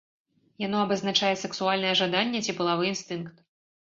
Яно абазначае сэксуальнае жаданне ці палавы інстынкт.